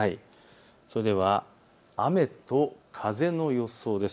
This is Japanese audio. それでは雨と風の予想です。